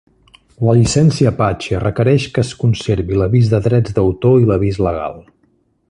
La llicència Apache requereix que es conservi l'avís de drets d'autor i l'avís legal.